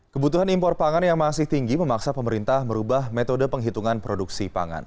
kebutuhan impor pangan yang masih tinggi memaksa pemerintah merubah metode penghitungan produksi pangan